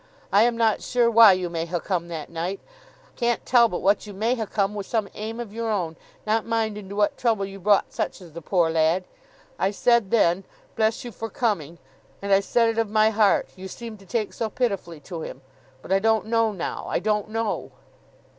I am not sure why you may ha' come that night. I can't tell but what you may ha' come wi' some aim of your own, not mindin to what trouble you brought such as the poor lad. I said then, Bless you for coming; and I said it of my heart, you seemed to take so pitifully to him; but I don't know now, I don't know!